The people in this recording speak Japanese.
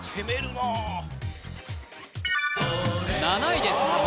７位です